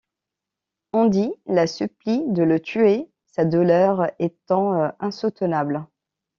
Andy la supplie de le tuer, sa douleur étant insoutenable.